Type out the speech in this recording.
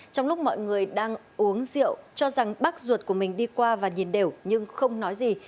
trong lúc mọi người đang uống rượu cho rằng bác ruột của mình đi qua và nhìn đều nhưng không nói gì